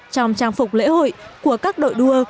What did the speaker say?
trong trang phục lễ hội của các đội đua